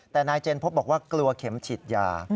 แต่นายเจนพบบอกว่ากลัวเข็มฉีดยา